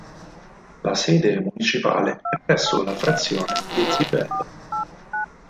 La sede municipale è presso la frazione di Zibello.